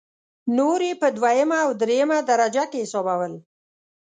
نور یې په دویمه او درېمه درجه کې حسابول.